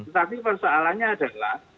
tapi persoalannya adalah